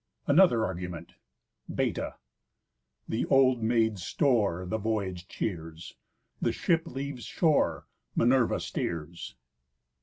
ANOTHER ARGUMENT βητα. The old Maid's store The voyage cheers. The ship leaves shore, Minerva steers.